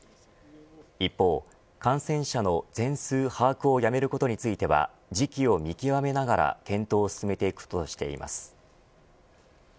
一方、感染者の全数把握をやめることについては時期を見極めながら検討を進めていくとしています。